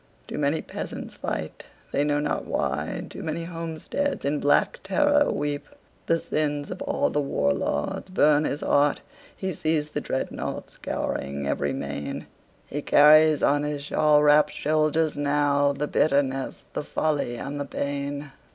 Too many peasants fight, they know not why; Too many homesteads in black terror weep. The sins of all the war lords burn his heart. He sees the dreadnaughts scouring every main. He carries on his shawl wrapped shoulders nowThe bitterness, the folly and the pain.